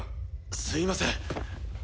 すいません。